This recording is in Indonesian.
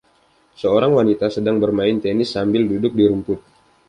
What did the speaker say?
Seorang wanita sedang bermain tenis sambil duduk di rumput.